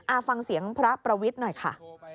ฟังเสียงพระประวิทย์หน่อยค่ะ